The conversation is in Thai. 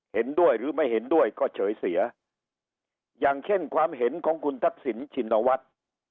เห็นด้วยหรือไม่เห็นด้วยก็เฉยเสียอย่างเช่นความเห็นของคุณทักษิณชินวัฒน์